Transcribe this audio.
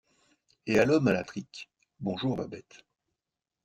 Et à l’homme à la trique: — Bonjour, Babet.